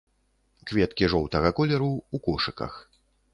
Кветкі жоўтага колеру, у кошыках.